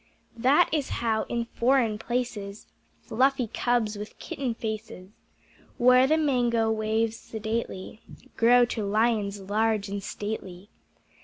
That is how in Foreign Places Fluffy Cubs with Kitten faces, Where the mango waves sedately, Grow to Lions large and stately.